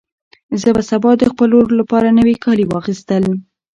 زه به سبا د خپل ورور لپاره نوي کالي واخیستل.